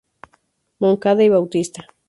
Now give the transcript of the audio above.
Moncada y Bautista.